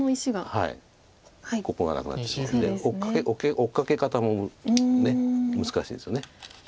ここがなくなってしまうので追っかけ方も難しいですよね。